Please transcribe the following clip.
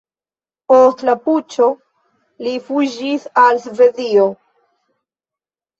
Post la puĉo li fuĝis al Svedio.